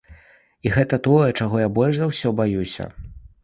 І гэта тое, чаго я больш за ўсё баюся.